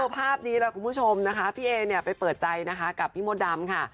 ภาพนี้แหละคุณผู้ชมนะคะพี่เอเนี่ยไปเปิดใจนะคะกับพี่มดดำค่ะ